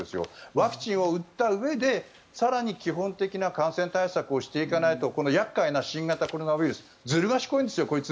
ワクチンを打ったうえで更に基本的な感染対策をしていかないとこの厄介な新型コロナウイルスずる賢いんですよ、こいつ。